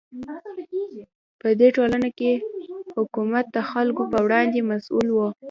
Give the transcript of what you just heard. په دې ټولنه کې حکومت د خلکو په وړاندې مسوول و.